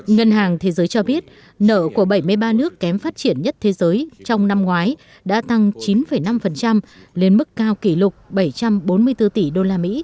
ngân hàng thế giới cho biết nợ của bảy mươi ba nước kém phát triển nhất thế giới trong năm ngoái đã tăng chín năm lên mức cao kỷ lục bảy trăm bốn mươi bốn tỷ usd